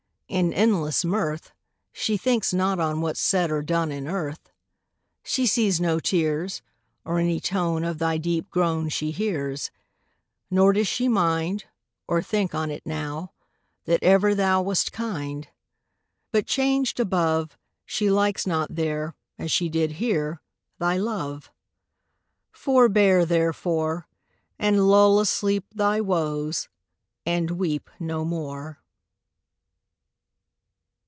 In endless mirth, She thinks not on What's said or done In earth: She sees no tears, Or any tone Of thy deep groan She hears; Nor does she mind, Or think on't now, That ever thou Wast kind: But changed above, She likes not there, As she did here, Thy love. Forbear, therefore, And lull asleep Thy woes, and weep No more.